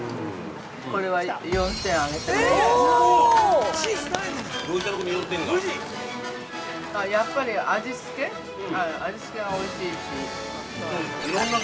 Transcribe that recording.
これは４点あげてもいいかな。